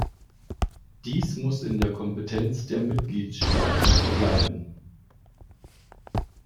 Dies muss in der Kompetenz der Mitgliedstaaten verbleiben.